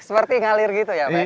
seperti ngalir gitu ya pak ya